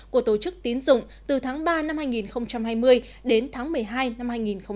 của tổ chức tín dụng từ tháng ba năm hai nghìn hai mươi đến tháng một mươi hai năm hai nghìn hai mươi